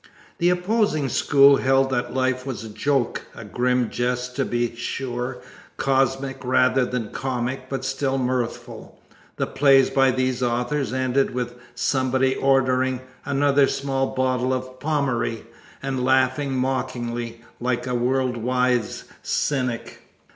The opposing school held that Life was a joke, a grim jest to be sure, cosmic rather than comic, but still mirthful. The plays by these authors ended with somebody ordering "Another small bottle of Pommery" and laughing mockingly, like a world wise cynic.